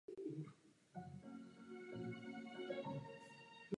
Bitva je popsána ve třetím díle trilogie Pán prstenů Návrat krále.